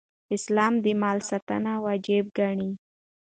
اسلام د مال ساتنه واجب ګڼي